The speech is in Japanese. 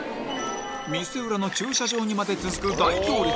店裏の駐車場にまで続く大行列